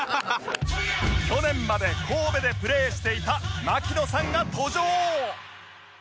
去年まで神戸でプレーしていた槙野さんが登場